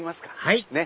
はい！